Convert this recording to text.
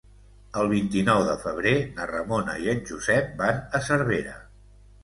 El vint-i-nou de febrer na Ramona i en Josep van a Cervera.